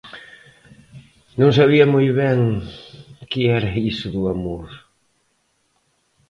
Non sabía moi ben que era iso do amor.